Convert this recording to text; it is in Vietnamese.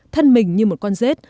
thân mình như một con dết